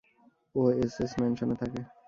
ও SS ম্যানশনে থাকে।